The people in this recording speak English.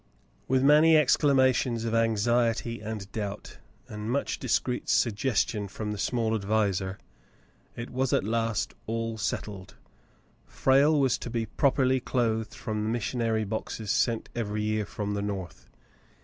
With many exclamations of anxiety and doubt, and much discreet suggestion from the small adviser, it was at last settled. Frale was to be properly clothed from the missionary boxes sent every year from the North.